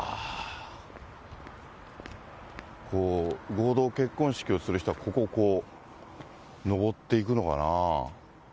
合同結婚式をする人は、ここをこう上っていくのかな。